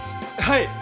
はい。